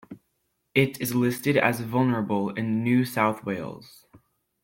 It is listed as vulnerable in New South Wales.